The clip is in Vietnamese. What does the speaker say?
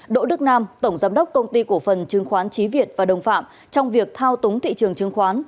đỗ đức nam tổng giám đốc công ty cổ phần chứng khoán trí việt và đồng phạm trong việc thao túng thị trường chứng khoán